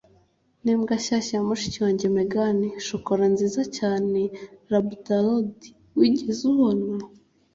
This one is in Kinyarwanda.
Nimbwa nshyashya ya mushiki wanjye, Megan, shokora nziza cyane Labrador wigeze ubona.